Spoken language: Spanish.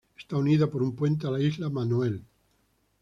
Está unida por un puente a la Isla Manoel.